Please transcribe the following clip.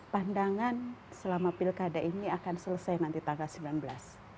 pandangan selama pilkada ini akan selesai nanti tanggal sembilan belas